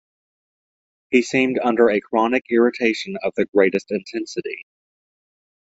He seemed under a chronic irritation of the greatest intensity.